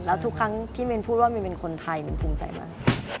แล้วทุกครั้งที่เมนพูดว่าเมนเป็นคนไทยมินภูมิใจมาก